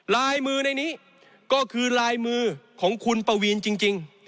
ลายมือในนี้ก็คือลายมือของคุณปวีนจริง